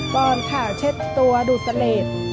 ป่อนเช็ดตัวดูเสลด